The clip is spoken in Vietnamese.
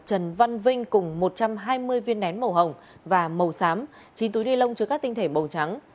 trần văn vinh cùng một trăm hai mươi viên nén màu hồng và màu xám chín túi ni lông chứa các tinh thể màu trắng